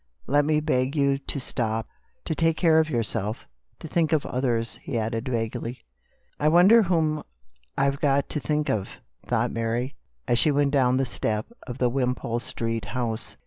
Let me beg you to stop, to take care of yourself, to think of others," he added vaguely. "I wonder who I've got to think of?" thought Mary, as she went down the steps of the trim Mayf air house.